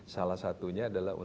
salah satunya adalah untuk